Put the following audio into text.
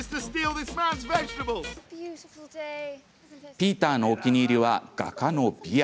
ピーターのお気に入りは画家のビア。